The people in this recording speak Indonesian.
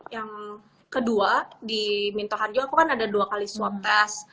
yang kedua di minto harjo aku kan ada dua kali swab test